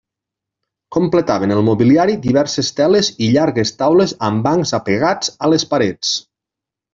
Completaven el mobiliari diverses teles i llargues taules amb bancs apegats a les parets.